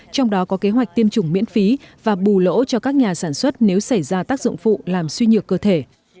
trong đó có kế hoạch tiêm chủng miễn phí và bù lỗ cho các nhà sản xuất nếu xảy ra tác dụng phụ làm suy nhược cơ thể